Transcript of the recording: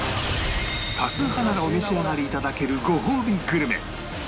多数派ならお召し上がりいただけるごほうびグルメ